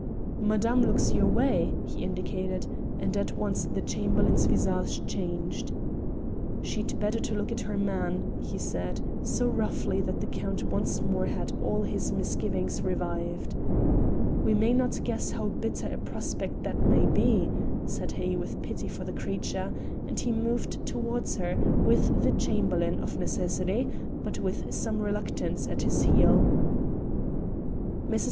"Madame looks your way," he indicated, and at once the Chamberlain's visage changed. "She'd be better to look to her man," he said, so roughly that the Count once more had all his misgivings revived. "We may not guess how bitter a prospect that may be," said he with pity for the creature, and he moved towards her, with the Chamberlain, of necessity, but with some reluctance, at his heel. Mrs.